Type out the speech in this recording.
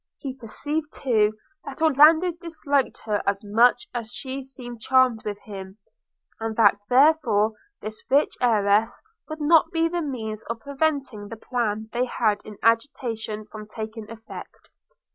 He perceived too, that Orlando disliked her as much as she seemed charmed with him, and that therefore this rich heiress would not be the means of preventing the plan they had in agitation from taking effect.